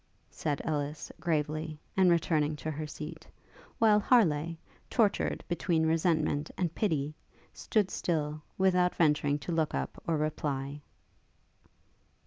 said Ellis, gravely, and returning to her seat: while Harleigh, tortured between resentment and pity, stood still; without venturing to look up or reply.